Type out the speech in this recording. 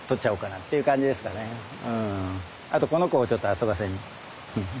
あとこの子をちょっと遊ばせに。